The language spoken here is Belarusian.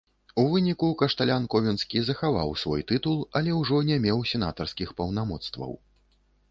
У выніку, кашталян ковенскі захаваў свой тытул, але ўжо не меў сенатарскіх паўнамоцтваў.